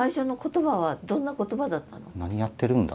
「何やってるんだ？」